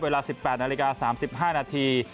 เวลา๑๘นาฬิกา๓๕นาที